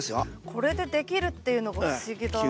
これでできるっていうのが不思議だなあ。